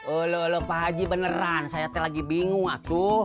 olo pak haji beneran saya lagi bingung atu